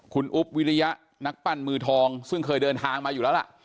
คุณอุ๊บวิริยะนักปั้นมือทองซึ่งเคยเดินทางมาอยู่แล้วล่ะ